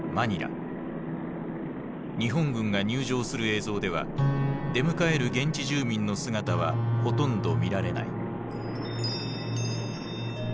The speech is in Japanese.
日本軍が入城する映像では出迎える現地住民の姿はほとんど見られない。